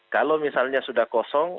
kalau misalnya sudah kosong